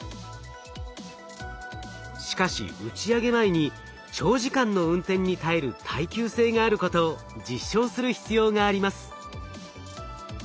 しかし打ち上げ前に長時間の運転に耐える耐久性があることを実証する必要があります。